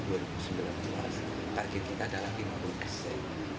target kita adalah lima puluh persen